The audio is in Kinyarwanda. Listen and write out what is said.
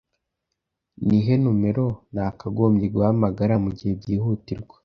Nihe numero nakagombye guhamagara mugihe byihutirwa?